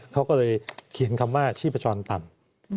เขาก็เลยเขียนคำว่าชีพจรต่ำ